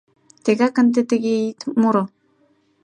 Тегак ынде тыге ит муро.